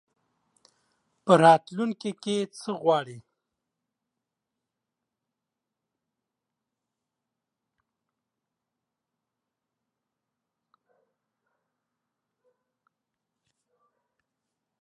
په راتلونکي کي څه غواړې ؟